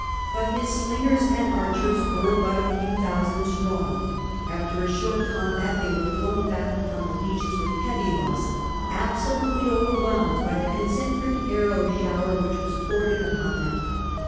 But his slingers and archers were but a few thousand strong ; after a short combat they were flung back upon the legions with heavy loss, absolutely overwhelmed by the concentric arrow shower which was poured in upon them.